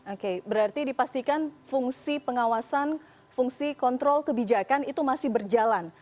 oke berarti dipastikan fungsi pengawasan fungsi kontrol kebijakan itu masih berjalan